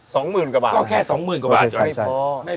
สองหมื่นกว่าบาทก็แค่สองหมื่นกว่าบาทยังไม่พอ